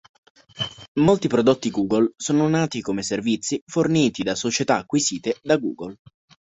Molti prodotti Google sono nati come servizi forniti da società acquisite da Google.